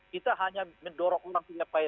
kita hanya mendorong orang punya pahit